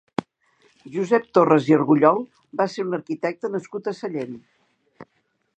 Josep Torres i Argullol va ser un arquitecte nascut a Sallent.